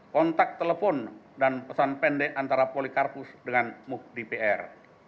kontak telepon dan pesan pendek antara polikarpus dengan muhdipr